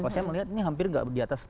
kalau saya melihat ini hampir tidak di atas